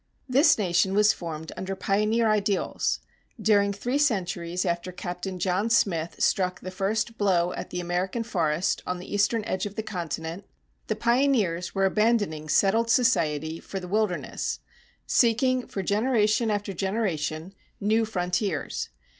This nation was formed under pioneer ideals. During three centuries after Captain John Smith struck the first blow at the American forest on the eastern edge of the continent, the pioneers were abandoning settled society for the wilderness, seeking, for generation after generation, new frontiers.